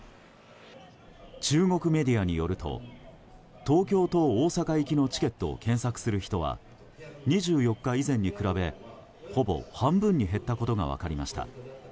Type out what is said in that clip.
中国メディアによると東京と大阪行きのチケットを検索する人は２４日以前に比べ、ほぼ半分に減ったことが分かりました。